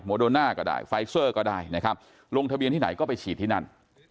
โดน่าก็ได้ไฟเซอร์ก็ได้นะครับลงทะเบียนที่ไหนก็ไปฉีดที่นั่น